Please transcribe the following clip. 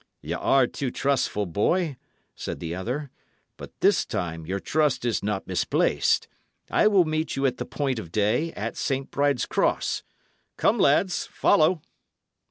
"Y' are too trustful, boy," said the other; "but this time your trust is not misplaced. I will meet you at the point of day at St. Bride's Cross. Come, lads, follow!"